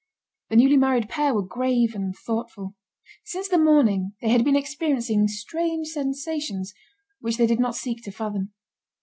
The newly married pair were grave and thoughtful. Since the morning, they had been experiencing strange sensations, which they did not seek to fathom.